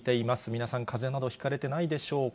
皆さん、かぜなどひかれてないでしょうか。